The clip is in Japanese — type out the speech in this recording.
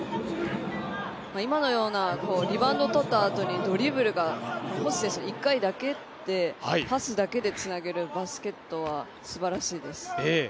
今のようなリバウンドとったあとにドリブルが、星選手、１回だけでパスだけでつなげるバスケットはすばらしいです。